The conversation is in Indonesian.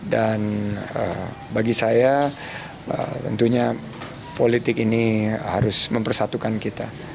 dan bagi saya tentunya politik ini harus mempersatukan kita